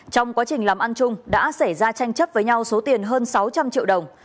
trong quá trình làm ăn chung đã xảy ra tranh chấp với nhau số tiền hơn sáu trăm linh triệu đồng